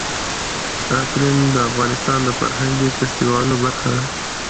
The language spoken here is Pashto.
اقلیم د افغانستان د فرهنګي فستیوالونو برخه ده.